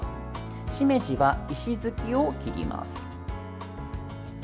しめじは石突きを切ります。